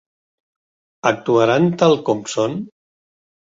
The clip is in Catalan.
Actuaran tal com són?